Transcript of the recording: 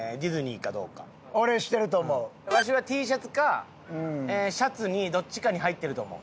わしはＴシャツかシャツにどっちかに入ってると思う。